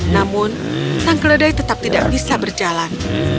namun sang keledai tetap tidak bisa berjalan